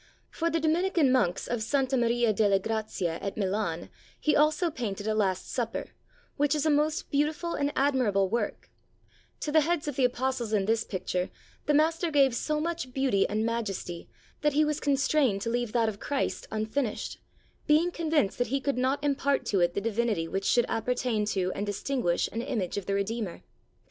For the Dominican monks of Santa Maria delle Grazie at Milan, he also painted a Last Supper, which is a most beautiful and admirable work; to the heads of the Apostles in this picture the master gave so much beauty and majesty that he was 86 STORIES OF LEONARDO DA VINCI constrained to leave that of Christ unfinished, being convinced that he could not impart to it the divinity which should appertain to and distinguish an image of the Redeemer.